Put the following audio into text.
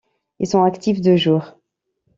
Ils sont actifs de jour.